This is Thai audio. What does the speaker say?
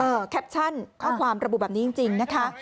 แคปชั่นข้อความระบุแบบนี้จริงนะคะ